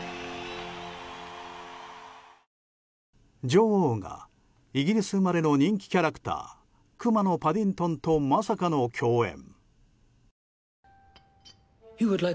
女王が、イギリス生まれの人気キャラクタークマのパディントンとまさかの共演。